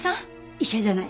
医者じゃない。